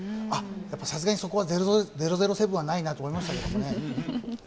さすがにそこは「００７」はないなと思いましたけどね。